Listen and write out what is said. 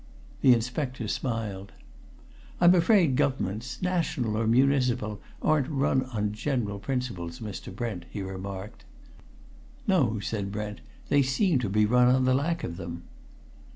The inspector smiled. "I'm afraid governments national or municipal aren't run on general principles, Mr. Brent," he remarked. "No!" said Brent. "They seem to be run on the lack of them."